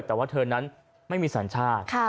แต่ว่าเธอนั้นไม่มีสัญชาติ